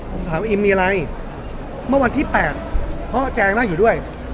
ผมถามอิ่มมีอะไรเมื่อวันที่แปดเพราะแจ๋งน่าอยู่ด้วย